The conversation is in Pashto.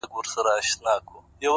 ستا په سترگو کي دي يو عالم خبرې _